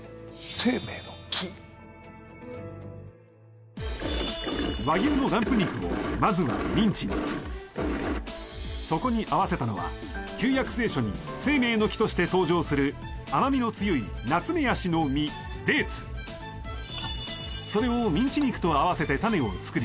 「生命の樹」和牛のランプ肉をまずはミンチにそこに合わせたのは旧約聖書に生命の甘みの強いナツメヤシの実・デーツそれをミンチ肉と合わせてタネを作り